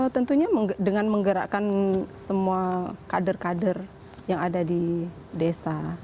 tentunya dengan menggerakkan semua kader kader yang ada di desa